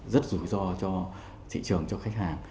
rất rủi ro cho thị trường cho khách hàng